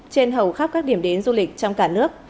trên hầu khắp các điểm đến du lịch trong cả nước